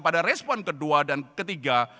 pada respon kedua dan ketiga